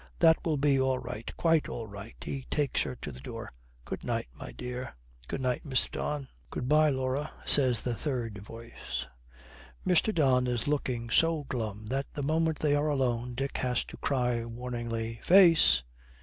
That will be all right, quite all right.' He takes her to the door. 'Good night, my dear.' 'Good night, Mr. Don.' 'Good bye, Laura,' says the third voice. Mr. Don is looking so glum that the moment they are alone Dick has to cry warningly, 'Face!'